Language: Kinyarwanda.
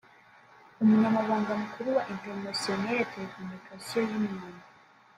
Umunyamabanga Mukuru wa International Telecommunication Union